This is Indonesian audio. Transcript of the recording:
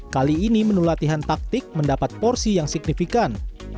kali ini menu latihan taktik mendapat porsi yang signifikan